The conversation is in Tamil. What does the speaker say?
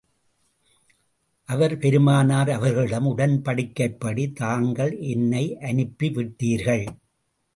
அவர் பெருமானார் அவர்களிடம், உடன்படிக்கைப்படி தாங்கள் என்னை அனுப்பி விட்டீர்கள்.